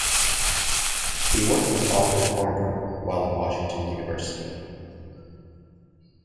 He worked with Arthur Kornberg, while at Washington University.